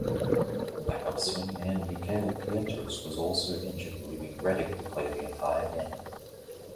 Backup swingman Mickael Pietrus was also injured, leaving Redick to play the entire game.